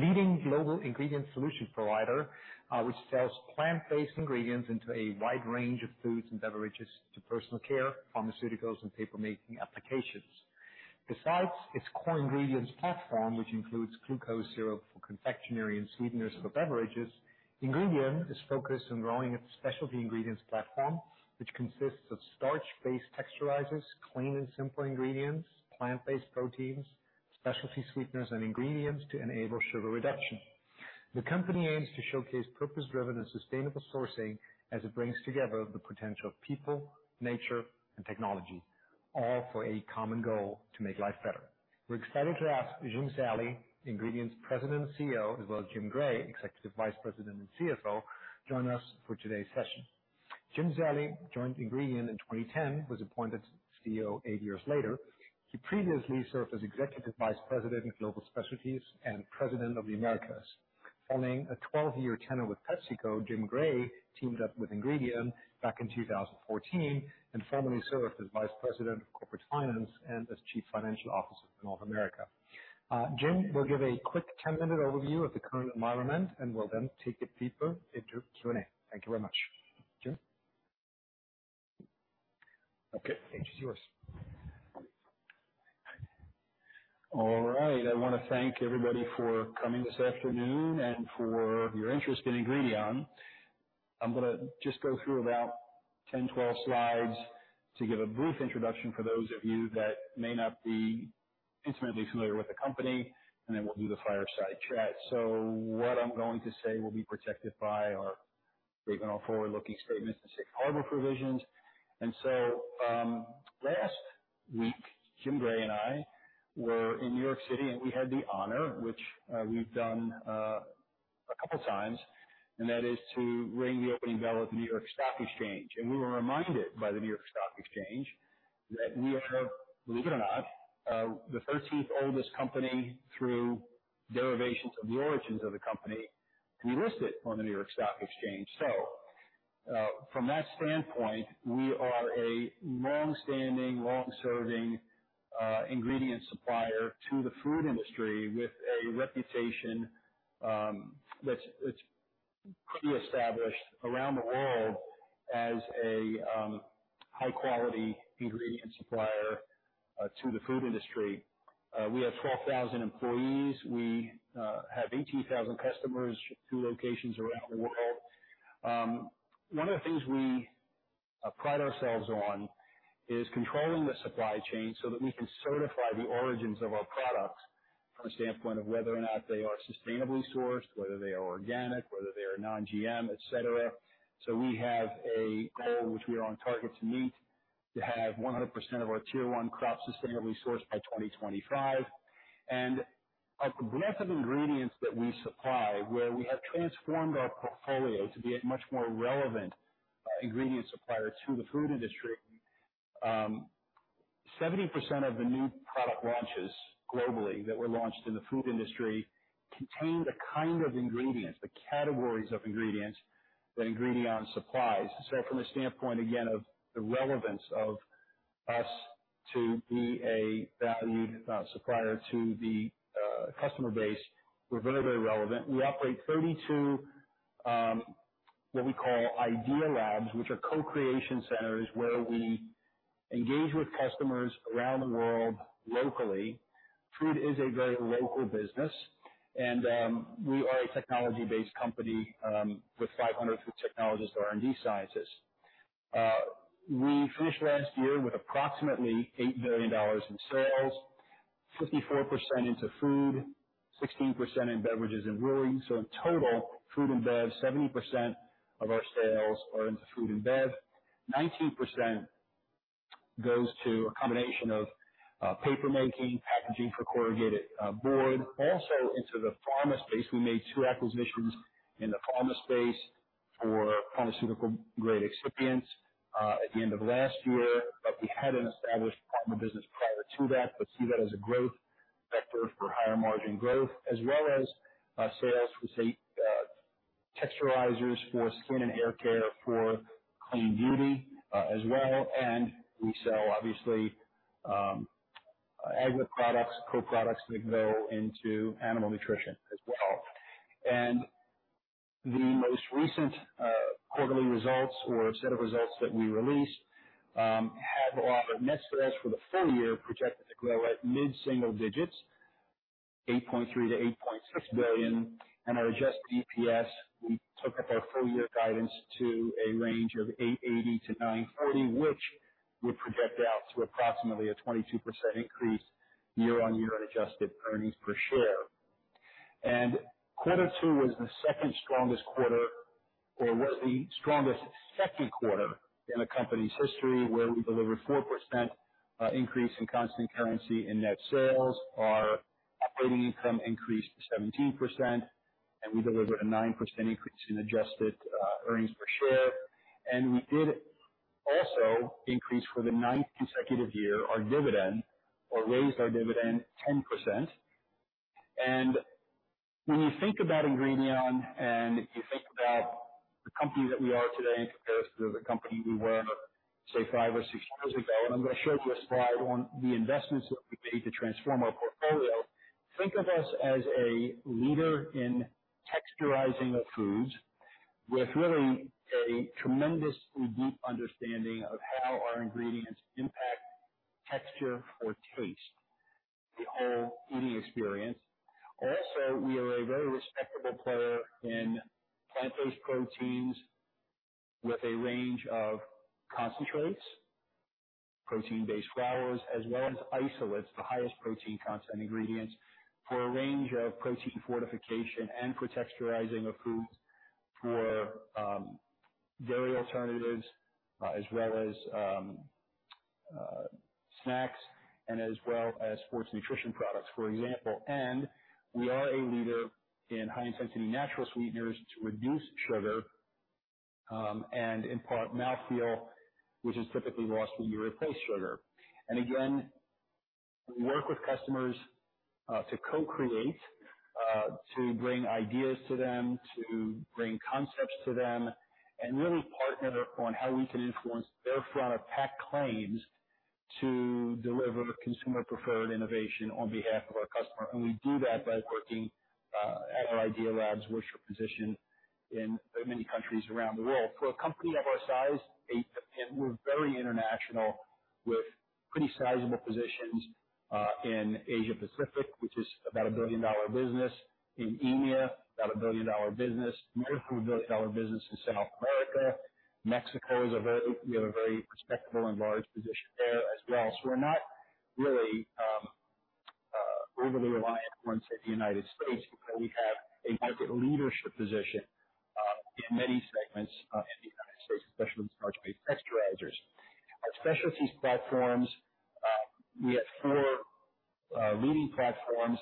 Leading global ingredient solution provider, which sells plant-based ingredients into a wide range of foods and beverages to personal care, pharmaceuticals, and papermaking applications. Besides its core ingredients platform, which includes glucose syrup for confectionery and sweeteners for beverages, Ingredion is focused on growing its specialty ingredients platform, which consists of starch-based texturizers, clean and simple ingredients, plant-based proteins, specialty sweeteners, and ingredients to enable sugar reduction. The company aims to showcase purpose-driven and sustainable sourcing as it brings together the potential of people, nature, and technology, all for a common goal to make life better. We're excited to ask Jim Zallie, Ingredion's President and CEO, as well as Jim Gray, Executive Vice President and CFO, join us for today's session. Jim Zallie joined Ingredion in 2010, was appointed CEO eight years later. He previously served as Executive Vice President of Global Specialties and President of the Americas. Following a 12-year tenure with PepsiCo, Jim Gray teamed up with Ingredion back in 2014, and formerly served as Vice President of Corporate Finance and as Chief Financial Officer for North America. Jim will give a quick 10-minute overview of the current environment, and we'll then take it deeper into Q&A. Thank you very much. Jim? Okay, the stage is yours. All right. I wanna thank everybody for coming this afternoon and for your interest in Ingredion. I'm gonna just go through about 10, 12 slides to give a brief introduction for those of you that may not be intimately familiar with the company, and then we'll do the fireside chat. So what I'm going to say will be protected by our safe harbor forward-looking statements and safe harbor provisions. And so, last week, Jim Gray and I were in New York City, and we had the honor, which, we've done, a couple times, and that is to ring the opening bell at the New York Stock Exchange. And we were reminded by the New York Stock Exchange that we are, believe it or not, the thirteenth oldest company through derivations of the origins of the company to be listed on the New York Stock Exchange. So, from that standpoint, we are a long-standing, long-serving ingredient supplier to the food industry, with a reputation that's pre-established around the world as a high quality ingredient supplier to the food industry. We have 12,000 employees. We have 18,000 customers in locations around the world. One of the things we pride ourselves on is controlling the supply chain so that we can certify the origins of our products from a standpoint of whether or not they are sustainably sourced, whether they are organic, whether they are non-GM, et cetera. So we have a goal, which we are on target to meet, to have 100% of our Tier 1 crops sustainably sourced by 2025. And a breadth of ingredients that we supply, where we have transformed our portfolio to be a much more relevant ingredient supplier to the food industry. 70% of the new product launches globally, that were launched in the food industry, contain the kind of ingredients, the categories of ingredients, that Ingredion supplies. So from a standpoint, again, of the relevance of us to be a valued supplier to the customer base, we're very, very relevant. We operate 32 what we call Idea Labs, which are co-creation centers where we engage with customers around the world locally. Food is a very local business, and we are a technology-based company with 500 food technologists and R&D scientists. We finished last year with approximately $8 billion in sales, 54% into food, 16% in beverages and brewing. So in total, food and bev, 70% of our sales are into food and bev. 19% goes to a combination of, papermaking, packaging for corrugated, board. Also into the pharma space. We made two acquisitions in the pharma space for pharmaceutical-grade excipients, at the end of last year, but we had an established pharma business prior to that. But see that as a growth vector for higher margin growth, as well as, sales from, say, texturizers for skin and hair care, for clean beauty, as well. And we sell obviously, agri products, co-products that go into animal nutrition as well. And the most recent, quarterly results or set of results that we released, have offered net sales for the full year, projected to grow at mid single digits, $8.3 billion-$8.6 billion. Our adjusted EPS, we took up our full year guidance to a range of $8.80-$9.40, which would project out to approximately a 22% increase year-on-year in adjusted earnings per share. Quarter Two was the second strongest quarter, or was the strongest second quarter in the company's history, where we delivered 4% increase in constant currency and net sales. Our operating income increased 17%, and we delivered a 9% increase in adjusted earnings per share. We did also increase, for the ninth consecutive year, our dividend, or raised our dividend 10%. When you think about Ingredion, and you think about-... The company that we are today compared to the company we were, say, five or six years ago, and I'm gonna show just a slide on the investments that we've made to transform our portfolio. Think of us as a leader in texturizing of foods, with really a tremendously deep understanding of how our ingredients impact texture or taste, the whole eating experience. Also, we are a very respectable player in plant-based proteins with a range of concentrates, protein-based flours, as well as isolates, the highest protein content ingredients, for a range of protein fortification and for texturizing of foods for dairy alternatives, as well as snacks and as well as sports nutrition products, for example. And we are a leader in high intensity natural sweeteners to reduce sugar, and impart mouth feel, which is typically lost when you replace sugar. We work with customers to co-create, to bring ideas to them, to bring concepts to them, and really partner on how we can influence their front-of-pack claims to deliver consumer preferred innovation on behalf of our customer. We do that by working at our Idea Labs, which are positioned in many countries around the world. For a company of our size, and we're very international, with pretty sizable positions in Asia Pacific, which is about a $1 billion business. In EMEA, about a $1 billion business, multiple billion dollar business in South America. Mexico is a very... We have a very respectable and large position there as well. So we're not really overly reliant on, say, the United States, but we have a market leadership position in many segments in the United States, especially in starch-based texturizers. Our specialties platforms, we have four leading platforms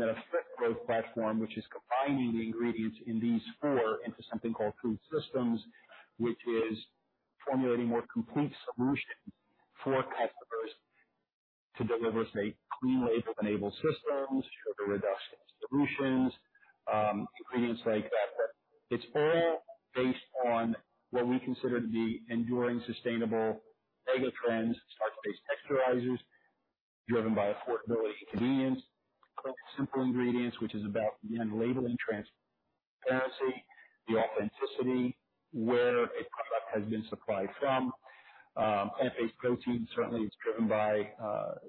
and then a fifth growth platform, which is combining the ingredients in these four into something called Food Systems, which is formulating more complete solutions for customers to deliver, say, clean label enabled systems, sugar reduction solutions, ingredients like that. But it's all based on what we consider to be enduring, sustainable megatrends, starch-based texturizers, driven by affordability, convenience, simple ingredients, which is about, again, labeling, transparency, the authenticity, where a product has been supplied from. Plant-based protein certainly is driven by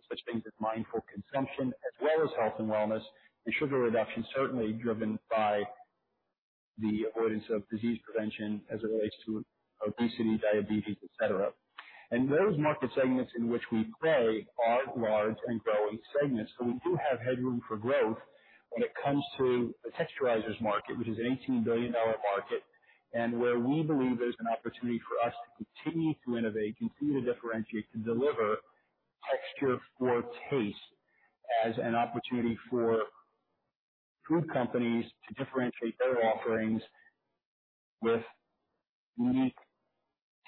such things as mindful consumption as well as health and wellness, and sugar reduction certainly driven by the avoidance of disease prevention as it relates to obesity, diabetes, et cetera. Those market segments in which we play are large and growing segments, so we do have headroom for growth when it comes to the texturizers market, which is an $18 billion market, and where we believe there's an opportunity for us to continue to innovate, continue to differentiate, to deliver texture for taste as an opportunity for food companies to differentiate their offerings with unique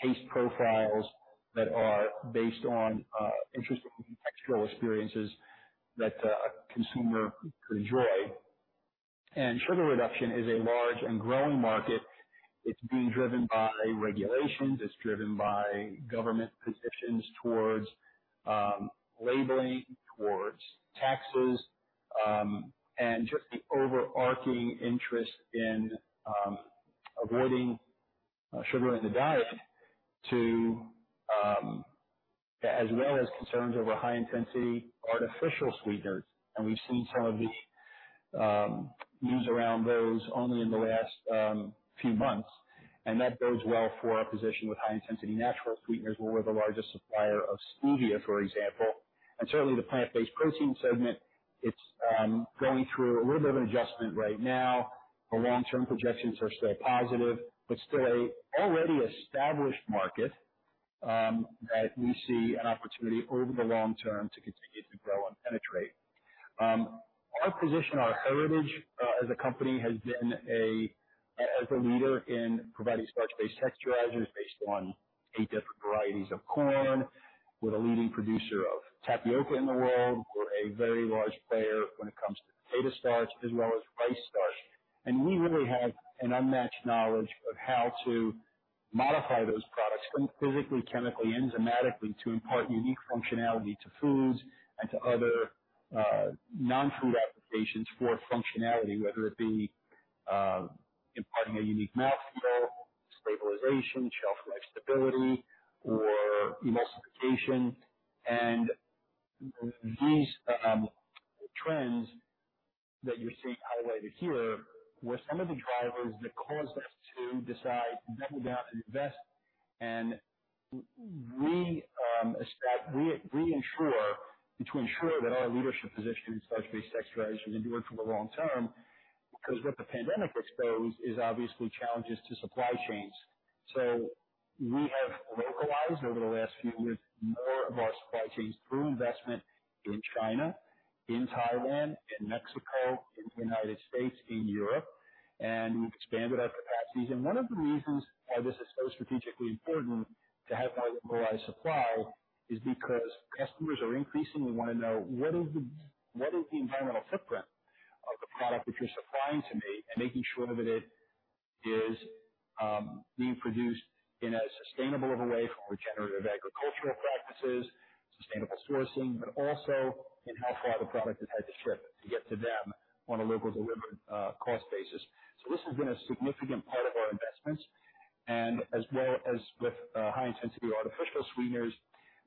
taste profiles that are based on interesting textural experiences that a consumer could enjoy. Sugar reduction is a large and growing market. It's being driven by regulations, it's driven by government positions towards labeling, towards taxes, and just the overarching interest in avoiding sugar in the diet, as well as concerns over high-intensity artificial sweeteners. And we've seen some of the news around those only in the last few months, and that bodes well for our position with high intensity natural sweeteners, where we're the largest supplier of stevia, for example. Certainly the plant-based protein segment, it's going through a little bit of an adjustment right now. The long term projections are still positive, but still a already established market that we see an opportunity over the long term to continue to grow and penetrate. Our position, our heritage as a company, has been as a leader in providing starch-based texturizers based on eight different varieties of corn. We're the leading producer of tapioca in the world. We're a very large player when it comes to potato starch as well as rice starch. We really have an unmatched knowledge of how to modify those products, physically, chemically, enzymatically, to impart unique functionality to foods and to other, non-food applications for functionality, whether it be, imparting a unique mouth feel, stabilization, shelf life stability, or emulsification. These trends that you see highlighted here were some of the drivers that caused us to decide to double down and invest to ensure that our leadership position in starch-based texturizers endured for the long term, because what the pandemic exposed is obviously challenges to supply chains. We have localized over the last few years, more of our supply chains through investment in China, in Taiwan, in Mexico, in the United States, in Europe, and we've expanded our capacities. And one of the reasons why this is so strategically important to have localized supply is because customers are increasingly wanting to know what is the environmental footprint of the product which you're supplying to me, and making sure that it is being produced in as sustainable of a way, from regenerative agricultural practices, sustainable sourcing, but also in how far the product has had to ship to get to them on a local delivery cost basis. So this has been a significant part of our investments, and as well as with high-intensity artificial sweeteners,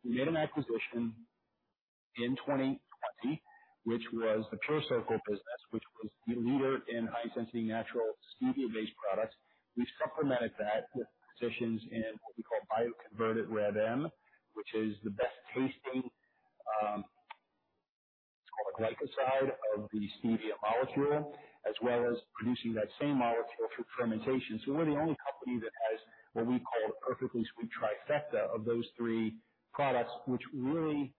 we made an acquisition in 2020, which was the PureCircle business, which was the leader in high-intensity natural stevia-based products. We've supplemented that with positions in what we call bioconverted Reb M, which is the best tasting, it's called a glycoside of the stevia molecule, as well as producing that same molecule through fermentation. So we're the only company that has what we call a perfectly sweet trifecta of those three products, which really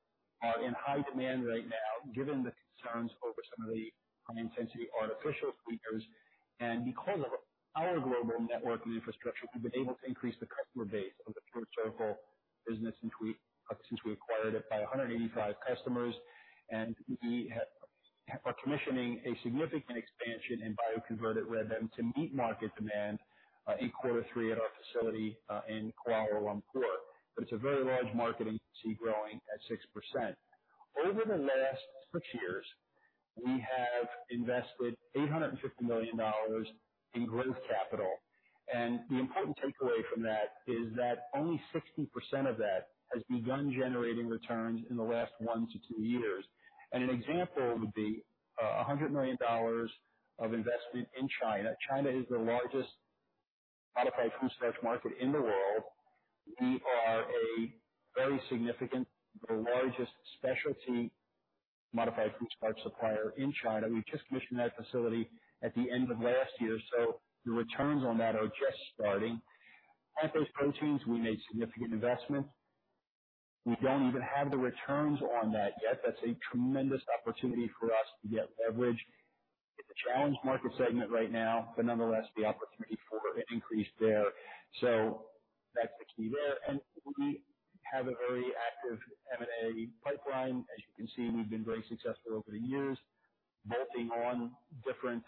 are in high demand right now, given the concerns over some of the high-intensity artificial sweeteners. And because of our global network and infrastructure, we've been able to increase the customer base of the PureCircle business since we, since we acquired it, by 185 customers. And we are commissioning a significant expansion in bioconverted Reb M to meet market demand, in quarter three at our facility, in Kuala Lumpur. But it's a very large market, and we see growing at 6%. Over the last six years, we have invested $850 million in growth capital. The important takeaway from that is that only 60% of that has begun generating returns in the last 1-2 years. An example would be a $100 million investment in China. China is the largest modified food starch market in the world. We are a very significant, the largest specialty modified food starch supplier in China. We just commissioned that facility at the end of last year, so the returns on that are just starting. At those proteins, we made significant investments. We don't even have the returns on that yet. That's a tremendous opportunity for us to get leverage. It's a challenged market segment right now, but nonetheless, the opportunity for it increased there. So that's 60% there. We have a very active M&A pipeline. As you can see, we've been very successful over the years, bolting on different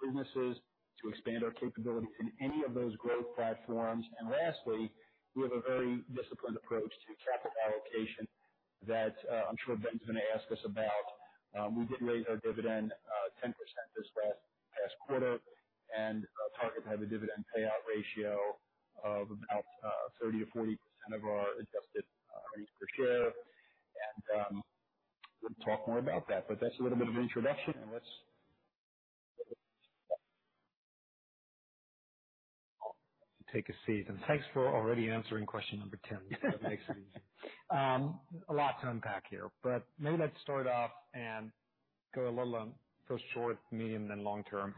businesses to expand our capabilities in any of those growth platforms. Lastly, we have a very disciplined approach to capital allocation that I'm sure Ben's gonna ask us about. We did raise our dividend 10% this past quarter, and target to have a dividend payout ratio of about 30%-40% of our adjusted earnings per share. We'll talk more about that, but that's a little bit of introduction, and let's- Take a seat, and thanks for already answering question number 10. That makes it easy. A lot to unpack here, but maybe let's start off and go a little on, go short, medium, and long term.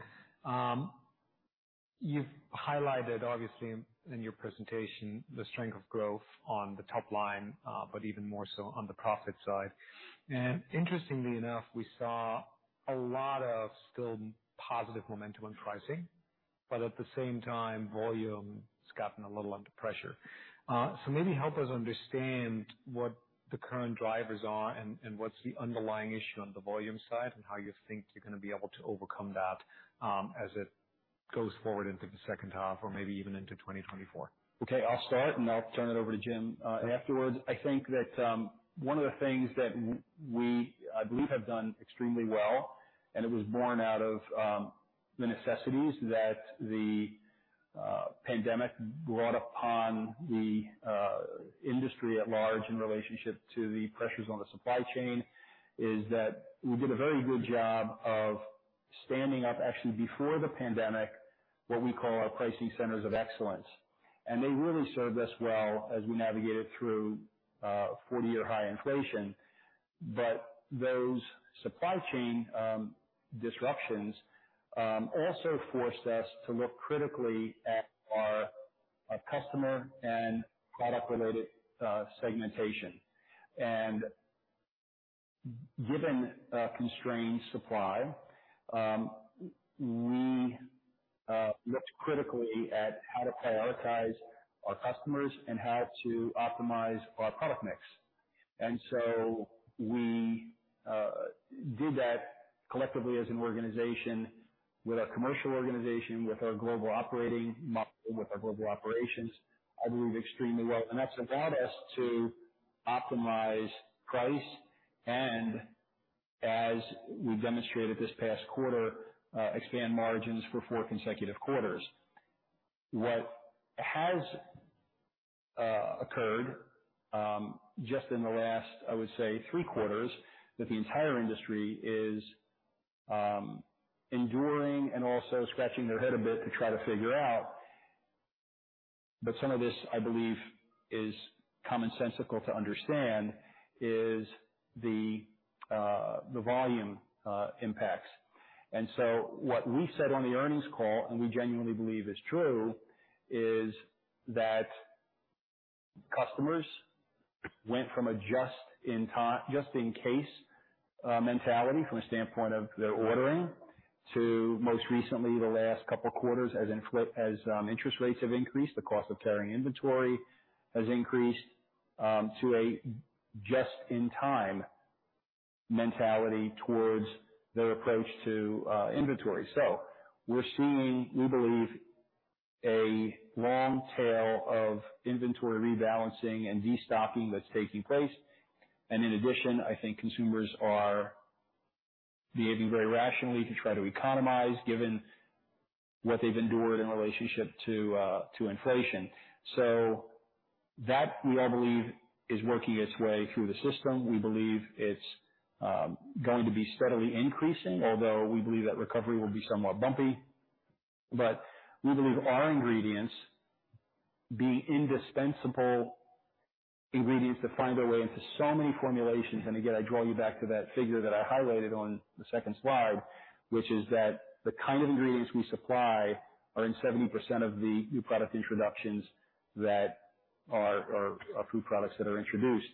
You've highlighted, obviously in your presentation, the strength of growth on the top line, but even more so on the profit side. Interestingly enough, we saw a lot of still positive momentum on pricing, but at the same time, volume has gotten a little under pressure. So maybe help us understand what the current drivers are and what's the underlying issue on the volume side, and how you think you're gonna be able to overcome that, as it goes forward into the second half or maybe even into 2024. Okay, I'll start, and I'll turn it over to Jim afterwards. I think that one of the things that we, I believe, have done extremely well, and it was born out of the necessities that the pandemic brought upon the industry at large in relationship to the pressures on the supply chain, is that we did a very good job of standing up actually before the pandemic what we call our pricing centers of excellence. And they really served us well as we navigated through 40-year high inflation. But those supply chain disruptions also forced us to look critically at our at customer and product-related segmentation. And given constrained supply we looked critically at how to prioritize our customers and how to optimize our product mix. So we did that collectively as an organization, with our commercial organization, with our global operating model, with our global operations, I believe extremely well. That's allowed us to optimize price and as we demonstrated this past quarter, expand margins for four consecutive quarters. What has occurred just in the last, I would say, three quarters, that the entire industry is enduring and also scratching their head a bit to try to figure out, but some of this, I believe, is commonsensical to understand, is the volume impacts. So what we said on the earnings call, and we genuinely believe is true, is that customers went from a. Just-in-case mentality from a standpoint of their ordering, to most recently, the last couple of quarters, as inflation, as interest rates have increased, the cost of carrying inventory has increased to a just-in-time mentality towards their approach to inventory. So we're seeing, we believe, a long tail of inventory rebalancing and destocking that's taking place. And in addition, I think consumers are behaving very rationally to try to economize, given what they've endured in relationship to inflation. So that, we all believe, is working its way through the system. We believe it's going to be steadily increasing, although we believe that recovery will be somewhat bumpy. But we believe our ingredients be indispensable ingredients that find their way into so many formulations. Again, I draw you back to that figure that I highlighted on the second slide, which is that the kind of ingredients we supply are in 70% of the new product introductions that are food products that are introduced.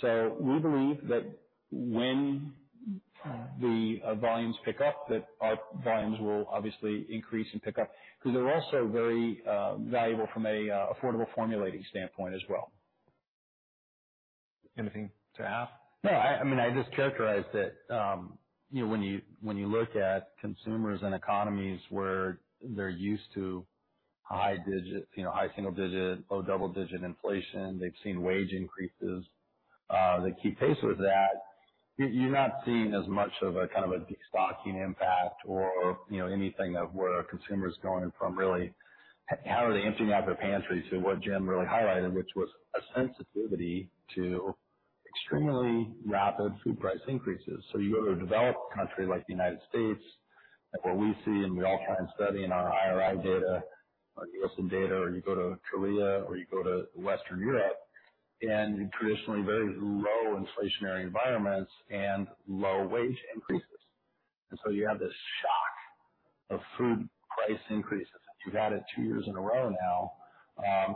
So we believe that when the volumes pick up, that our volumes will obviously increase and pick up, 'cause they're also very valuable from a affordable formulating standpoint as well. Anything to add? No, I mean, I just characterize that, you know, when you, when you look at consumers and economies where they're used to high digits, you know, high single digit, low double digit inflation, they've seen wage increases that keep pace with that. You're not seeing as much of a kind of a destocking impact or, you know, anything of where consumers are going from really how are they emptying out their pantry to what Jim really highlighted, which was a sensitivity to extremely rapid food price increases. So you go to a developed country like the United States, like what we see and we all kind of study in our IRI data, or Nielsen data, or you go to Korea, or you go to Western Europe, and traditionally very low inflationary environments and low wage increases. And so you have this shock of food price increases. You've had it two years in a row now,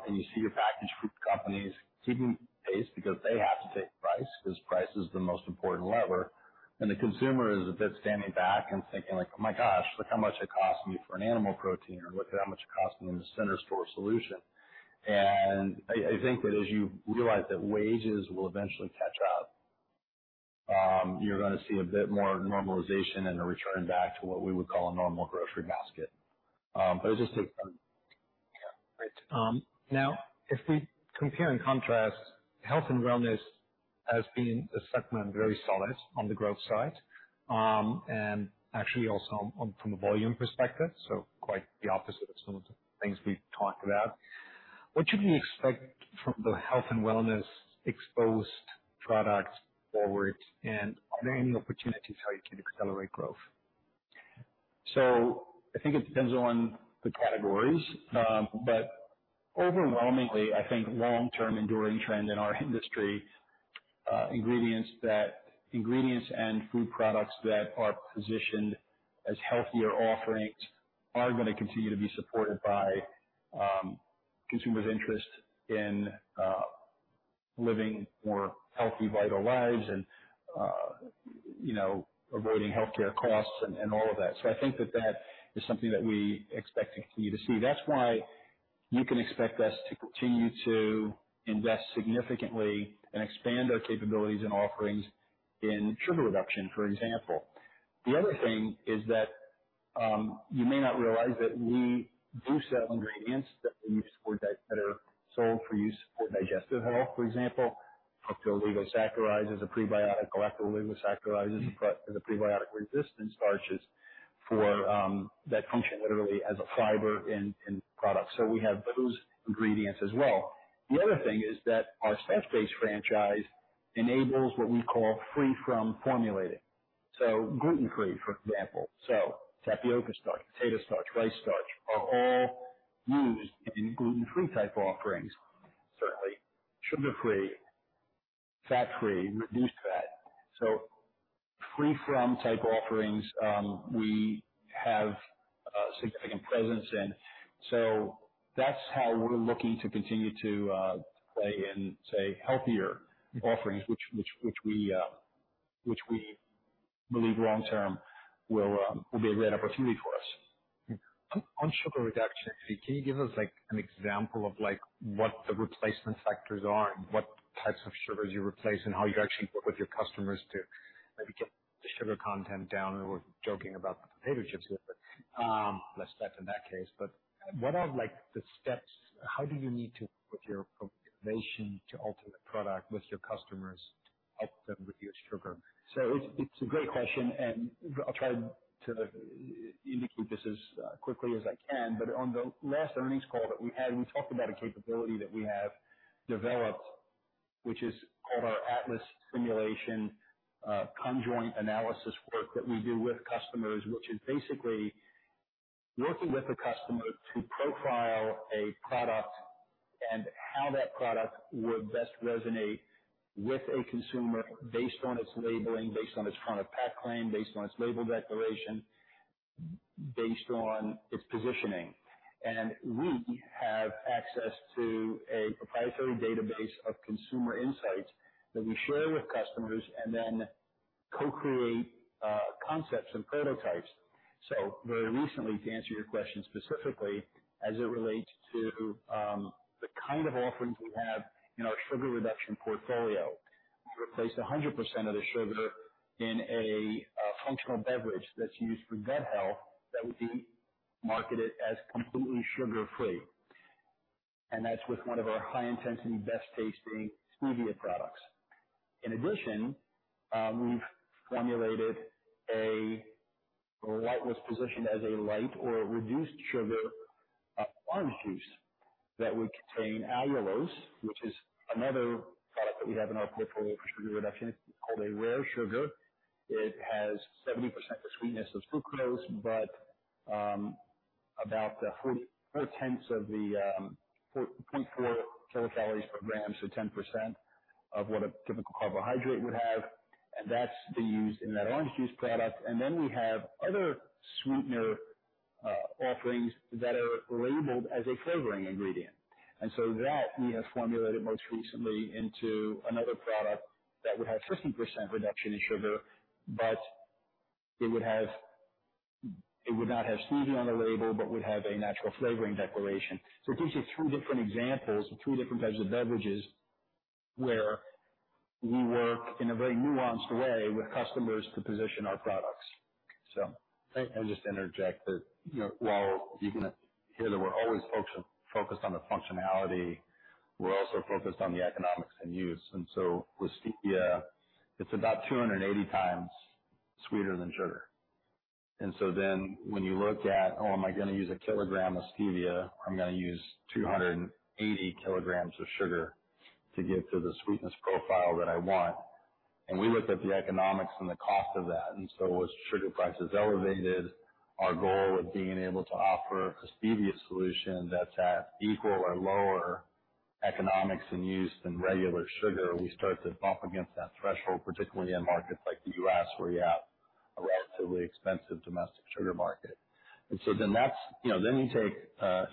and you see the packaged food companies keeping pace because they have to take price, 'cause price is the most important lever. And the consumer is a bit standing back and thinking like, "Oh, my gosh, look how much it costs me for an animal protein," or, "Look at how much it costs me in the center store solution." And I think that as you realize that wages will eventually catch up, you're gonna see a bit more normalization and a return back to what we would call a normal grocery basket. But it just takes time. Yeah. Great. Now, if we compare and contrast, health and wellness has been a segment, very solid on the growth side, and actually also on from a volume perspective, so quite the opposite of some of the things we've talked about. What should we expect from the health and wellness exposed products forward, and are there any opportunities how you can accelerate growth? So I think it depends on the categories. But overwhelmingly, I think long-term enduring trend in our industry, ingredients and food products that are positioned as healthier offerings are gonna continue to be supported by, consumers' interest in living more healthy, vital lives and, you know, avoiding healthcare costs and, and all of that. So I think that that is something that we expect to continue to see. That's why you can expect us to continue to invest significantly and expand our capabilities and offerings in sugar reduction, for example. The other thing is that, you may not realize that we do sell ingredients that we use for that that are sold for use for digestive health. For example, fructooligosaccharides, as a prebiotic galactooligosaccharides, but the prebiotic resistant starches for that function literally as a fiber in products. So we have those ingredients as well. The other thing is that our starch-based franchise enables what we call free from formulating. So gluten-free, for example. So tapioca starch, potato starch, rice starch are all used in gluten-free type offerings. Certainly sugar-free, fat-free, reduced fat. So free from type offerings, we have a significant presence in. So that's how we're looking to continue to play in, say, healthier offerings, which we believe long term will be a great opportunity for us. On sugar reduction, can you give us, like, an example of, like, what the replacement factors are and what types of sugars you replace, and how you actually work with your customers to maybe get the sugar content down? We're joking about the potato chips here, but less fat in that case. But what are, like, the steps? How do you need to... with your formulation to alter the product with your customers, help them reduce sugar? So it's a great question, and I'll try to indicate this as quickly as I can. But on the last earnings call that we had, we talked about a capability that we have developed, which is called our ATLAS Simulation Conjoint Analysis work that we do with customers, which is basically working with a customer to profile a product and how that product would best resonate with a consumer based on its labeling, based on its front of pack claim, based on its label declaration, based on its positioning. And we have access to a proprietary database of consumer insights that we share with customers and then co-create concepts and prototypes. So very recently, to answer your question specifically, as it relates to the kind of offerings we have in our sugar reduction portfolio, we replaced 100% of the sugar in a functional beverage that's used for gut health that would be marketed as completely sugar free. And that's with one of our high intensity, best tasting Stevia products. In addition, we've formulated a what was positioned as a light or reduced sugar orange juice that would contain allulose, which is another product that we have in our portfolio for sugar reduction. It's called a rare sugar. It has 70% the sweetness of fructose, but about four-tenths of the 4.4 kilocalories per gram, so 10% of what a typical carbohydrate would have. And that's being used in that orange juice product. And then we have other sweetener offerings that are labeled as a flavoring ingredient. And so that we have formulated most recently into another product that would have 50% reduction in sugar, but it would have... It would not have stevia on the label, but would have a natural flavoring declaration. So it gives you two different examples of two different types of beverages where we work in a very nuanced way with customers to position our products. Let me just interject that, you know, while you can hear that we're always focused on the functionality, we're also focused on the economics and use. And so with stevia, it's about 280 times sweeter than sugar. And so then when you look at, "Oh, am I gonna use a kilogram of stevia, or I'm gonna use 280 kilograms of sugar to get to the sweetness profile that I want?" And we looked at the economics and the cost of that, and so with sugar prices elevated, our goal of being able to offer a stevia solution that's at equal or lower economics in use than regular sugar, we start to bump against that threshold, particularly in markets like the U.S., where you have a relatively expensive domestic sugar market. And so then that's, you know, then you take,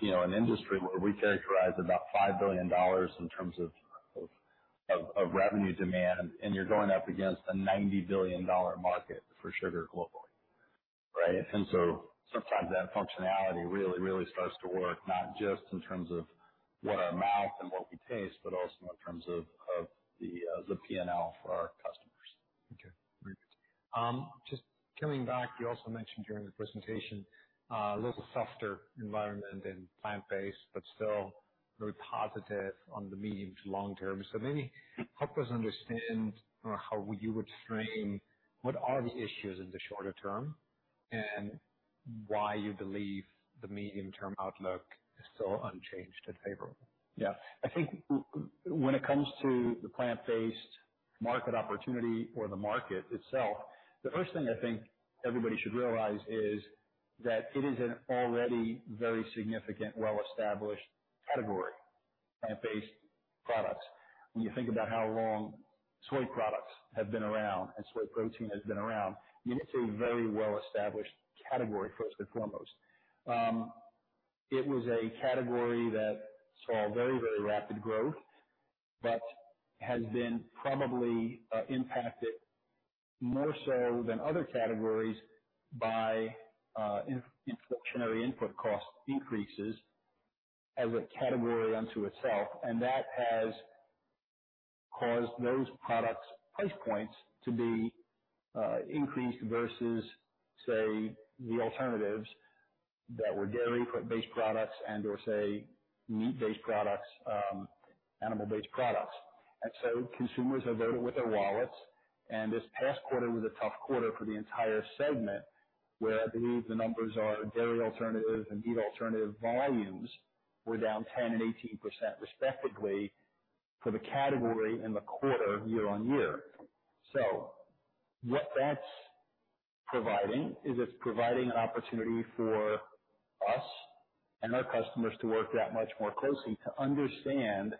you know, an industry where we characterize about $5 billion in terms of of revenue demand, and you're going up against a $90 billion market for sugar globally, right? And so sometimes that functionality really, really starts to work, not just in terms of what our mouth and what we taste, but also in terms of the PNL for our customers. Okay, great. Just coming back, you also mentioned during the presentation a little softer environment in plant-based, but still very positive on the medium to long term. So maybe help us understand how you would frame what are the issues in the shorter term, and why you believe the medium-term outlook is still unchanged and favorable? Yeah. I think when it comes to the plant-based market opportunity or the market itself, the first thing I think everybody should realize is that it is an already very significant, well-established category, plant-based products. When you think about how long soy products have been around and soy protein has been around, it's a very well-established category, first and foremost. It was a category that saw very, very rapid growth, but has been probably impacted more so than other categories by inflationary input cost increases as a category unto itself, and that has caused those products' price points to be increased versus, say, the alternatives that were dairy-based products and/or say, meat-based products, animal-based products. And so consumers have voted with their wallets, and this past quarter was a tough quarter for the entire segment, where I believe the numbers are dairy alternatives and meat alternative volumes were down 10% and 18% respectively for the category in the quarter, year-on-year. So what that's providing is it's providing opportunity for us and our customers to work that much more closely to understand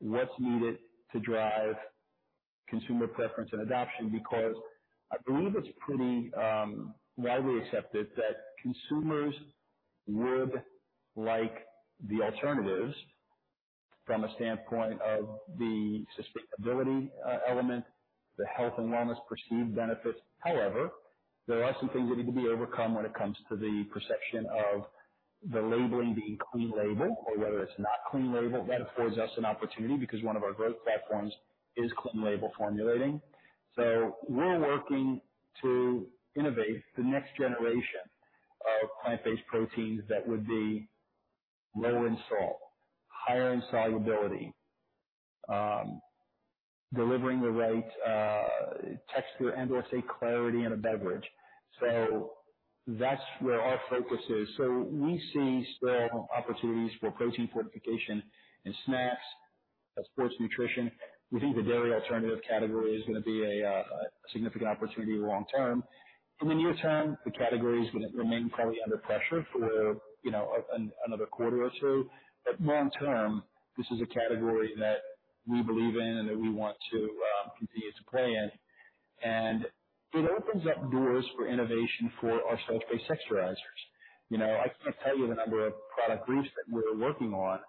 what's needed to drive consumer preference and adoption. Because I believe it's pretty widely accepted that consumers would like the alternatives from a standpoint of the sustainability element, the health and wellness perceived benefits. However, there are some things that need to be overcome when it comes to the perception of the labeling being clean label or whether it's not clean label. That affords us an opportunity, because one of our growth platforms is clean label formulating. So we're working to innovate the next generation of plant-based proteins that would be low in salt, higher in solubility, delivering the right texture and/or, say, clarity in a beverage. So that's where our focus is. So we see still opportunities for protein fortification in snacks and sports nutrition. We think the dairy alternative category is gonna be a significant opportunity long term. In the near term, the category is gonna remain probably under pressure for, you know, another quarter or two, but long term, this is a category that we believe in and that we want to continue to play in. And it opens up doors for innovation for our starch-based texturizers. You know, I can't tell you the number of product briefs that we're working on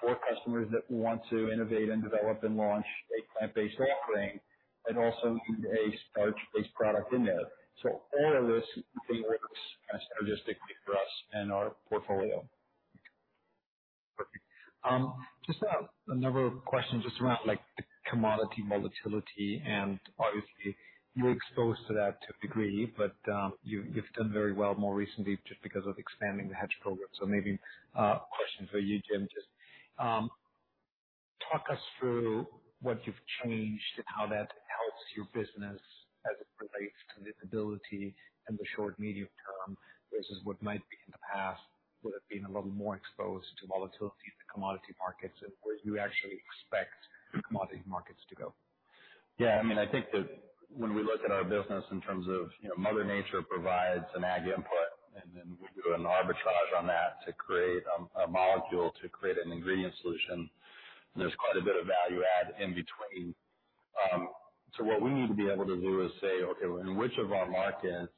for customers that want to innovate and develop and launch a plant-based offering, and also a starch-based product in there. So all of this thing works synergistically for us and our portfolio. Perfect. Just another question just around, like, the commodity volatility, and obviously you're exposed to that to a degree, but you've, you've done very well more recently just because of expanding the hedge program. So maybe a question for you, Jim, just talk us through what you've changed and how that helps your business as it relates to visibility in the short, medium term, versus what might be in the past, would have been a little more exposed to volatility in the commodity markets and where you actually expect commodity markets to go. Yeah, I mean, I think that when we look at our business in terms of, you know, Mother Nature provides an ag input, and then we do an arbitrage on that to create a molecule, to create an ingredient solution. And there's quite a bit of value add in between. So what we need to be able to do is say: Okay, well, in which of our markets,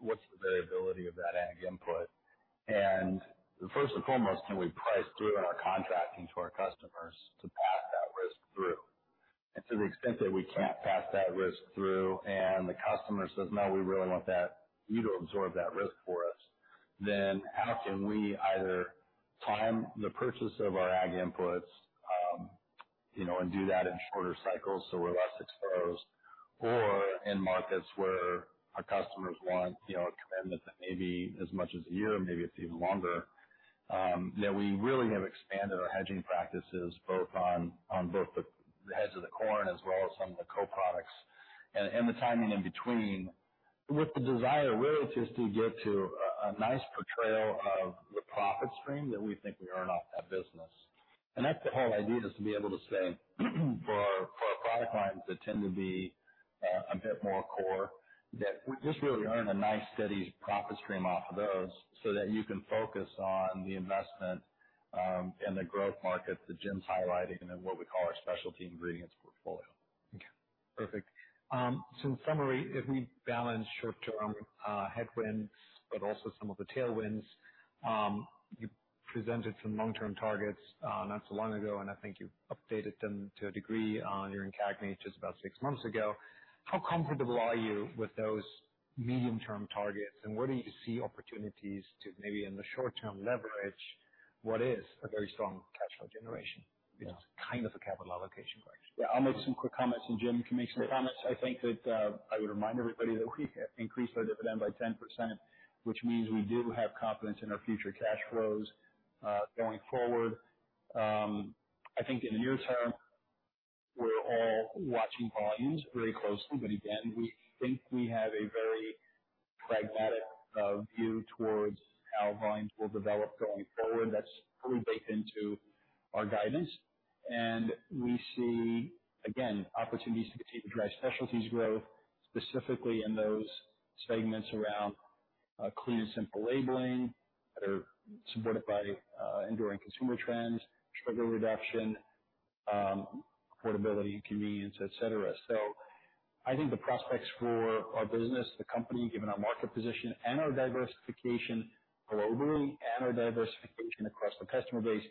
what's the variability of that ag input? And first and foremost, can we price through in our contracting to our customers to pass that risk through? And to the extent that we can't pass that risk through, and the customer says, "No, we really want that... you to absorb that risk for us," then how can we either time the purchase of our ag inputs, you know, and do that in shorter cycles so we're less exposed? Or in markets where our customers want, you know, a commitment that may be as much as a year or maybe a few longer, that we really have expanded our hedging practices both on both the heads of the corn as well as some of the co-products. And the timing in between, with the desire really just to get to a nice portrayal of the profit stream that we think we earn off that business. And that's the whole idea, is to be able to say, for our product lines that tend to be a bit more core, that we just really earn a nice, steady profit stream off of those, so that you can focus on the investment and the growth markets that Jim's highlighting, and then what we call our specialty ingredients portfolio. Okay, perfect. So in summary, if we balance short-term headwinds, but also some of the tailwinds, you presented some long-term targets, not so long ago, and I think you've updated them to a degree on your CAGNY just about six months ago. How comfortable are you with those medium-term targets, and where do you see opportunities to maybe in the short term, leverage what is a very strong cash flow generation? Yeah. It's kind of a capital allocation question. Yeah, I'll make some quick comments, and, Jim, you can make some comments. I think that, I would remind everybody that we have increased our dividend by 10%, which means we do have confidence in our future cash flows, going forward. I think in the near term, we're all watching volumes very closely, but again, we think we have a very pragmatic, view towards how volumes will develop going forward. That's fully baked into our guidance, and we see, again, opportunities to continue to drive specialties growth, specifically in those segments around, clear and simple labeling, that are supported by, enduring consumer trends, sugar reduction, affordability and convenience, et cetera. So I think the prospects for our business, the company, given our market position and our diversification globally, and our diversification across the customer base,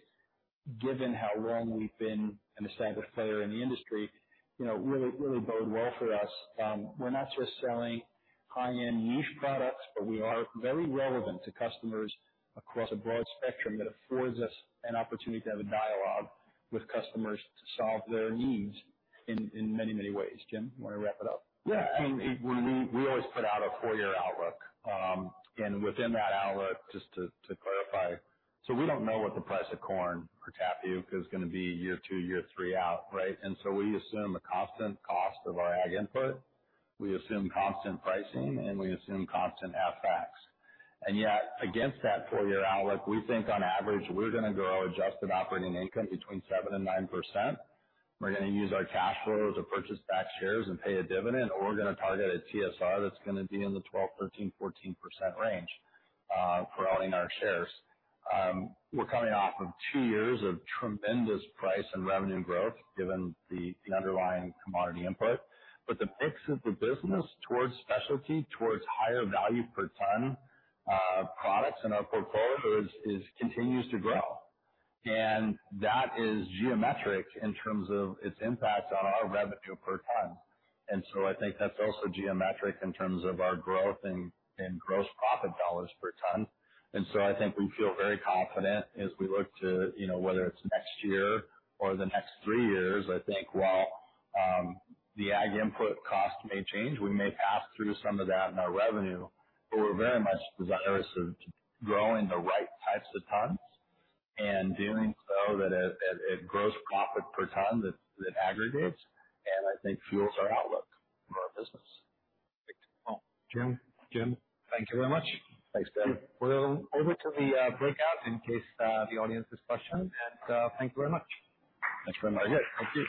given how long we've been an established player in the industry, you know, really, really bode well for us. We're not just selling high-end niche products, but we are very relevant to customers across a broad spectrum that affords us an opportunity to have a dialogue with customers to solve their needs in, in many, many ways. Jim, you wanna wrap it up? Yeah. I mean, we always put out a four-year outlook. And within that outlook, just to clarify, so we don't know what the price of corn or tapioca is gonna be year two, year three out, right? And so we assume a constant cost of our ag input, we assume constant pricing, and we assume constant FX. And yet, against that four-year outlook, we think on average, we're gonna grow adjusted operating income 7%-9%. We're gonna use our cash flows to purchase back shares and pay a dividend, or we're gonna target a TSR that's gonna be in the 12%-14% range, for all in our shares. We're coming off of two years of tremendous price and revenue growth, given the underlying commodity input. But the fix of the business towards specialty, towards higher value per ton, products in our portfolio is continues to grow. And that is geometric in terms of its impact on our revenue per ton. And so I think that's also geometric in terms of our growth and gross profit dollars per ton. And so I think we feel very confident as we look to, you know, whether it's next year or the next three years. I think while the ag input cost may change, we may pass through some of that in our revenue, but we're very much desirous of growing the right types of tons and doing so that at gross profit per ton, that aggregates, and I think fuels our outlook for our business. Well, Jim. Jim. Thank you very much. Thanks, Ben. We're over to the breakout in case the audience has questions. Thank you very much. Thanks very much. Yeah. Thank you.